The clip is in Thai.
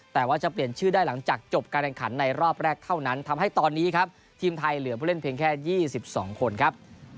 แต่ว่าจะเปลี่ยนชื่อได้หลังจากจบการแข่งขันในรอบแรกเท่านั้นทำให้ตอนนี้ครับทีมไทยเหลือผู้เล่นเพียงแค่๒๒คนครับ